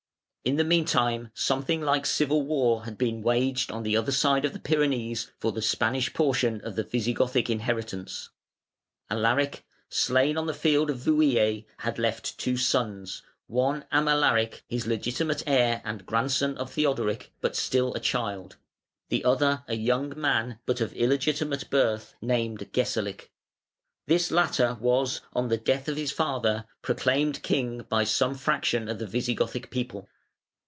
In the meantime something like civil war had been waged on the other side of the Pyrenees for the Spanish portion of the Visigothic inheritance. Alaric, slain on the field of Vouillé, had left two sons, one Amalaric, his legitimate heir and the grandson of Theodoric, but still a child, the other a young man, but of illegitimate birth, named Gesalic. This latter was, on the death of his father, proclaimed king by some fraction of the Visigothic people.